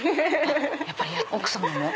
やっぱり奥様も？